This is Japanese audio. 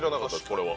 これは。